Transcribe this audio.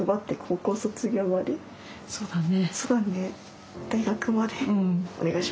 そうだね。